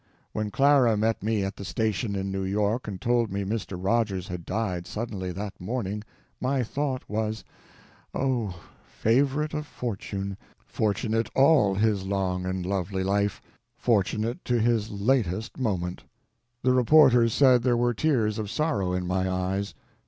When Clara met me at the station in New York and told me Mr. Rogers had died suddenly that morning, my thought was, Oh, favorite of fortune—fortunate all his long and lovely life—fortunate to his latest moment! The reporters said there were tears of sorrow in my eyes.